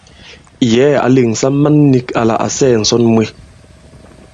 Yɛ̌ɛ̀ ǎ lèŋsa man nīk lā à sɛɛ̀ ǹsɔn mwe.